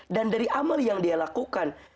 dan dari amal yang dia lakukan